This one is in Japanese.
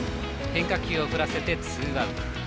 変化球を振らせてツーアウト。